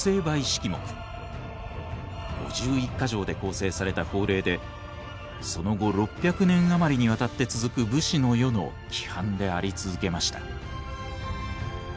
５１か条で構成された法令でその後６００年余りにわたって続く武士の世の規範であり続けました。